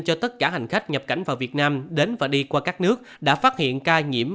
cho tất cả hành khách nhập cảnh vào việt nam đến và đi qua các nước đã phát hiện ca nhiễm